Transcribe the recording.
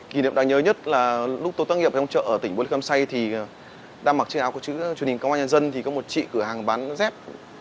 kỷ niệm đáng nhớ nhất là lúc tôi tác nghiệp trong chợ ở tỉnh buôn lê khâm say thì đang mặc chiếc áo của chương trình công an nhân dân thì có một chị cửa hàng bán dép